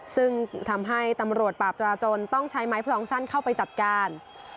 ซึ่งทำให้ตำรวจปราบราจนต้องใช้ไม้พลองสั้นเข้าไปจัดการ